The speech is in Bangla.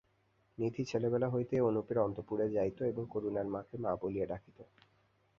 নিধি ছেলেবেলা হইতেই অনুপের অন্তঃপুরে যাইত ও করুণার মাকে মা বলিয়া ডাকিত।